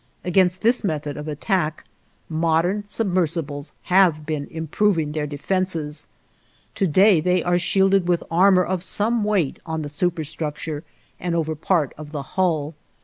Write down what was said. Against this method of attack, modern submersibles have been improving their defenses. To day, they are shielded with armor of some weight on the superstructure and over part of the hull.